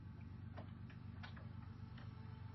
Su último club fue Rangers.